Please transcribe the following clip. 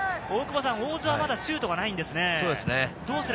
大津はまだシュートがないんですね。